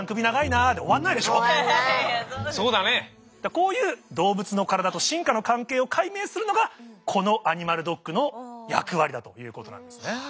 こういう動物の体と進化の関係を解明するのがこの「アニマルドック」の役割だということなんですね。